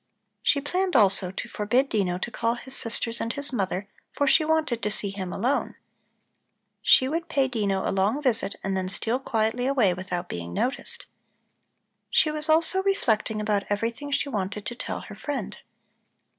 She planned also to forbid Dino to call his sisters and his mother, for she wanted to see him alone. She would pay Dino a long visit and then steal quietly away without being noticed. She was also reflecting about everything she wanted to tell her friend.